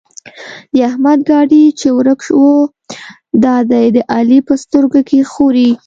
د احمد ګاډی چې ورک وو؛ دا دی د علي په سترګو کې ښوري.